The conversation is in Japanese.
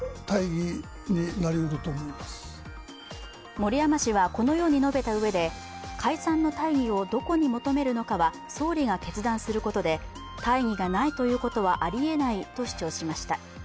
森山氏はこのように述べたうえで解散の大義をどこに求めるのかは総理が決断することで大義がないということはありえないと主張しました。